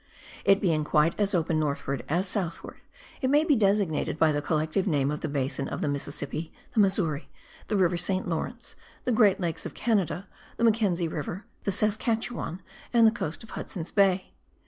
It being quite as open northward as southward, it may be designated by the collective name of the basin of the Mississippi, the Missouri, the river St. Lawrence, the great lakes of Canada, the Mackenzie river, the Saskatchewan and the coast of Hudson's Bay.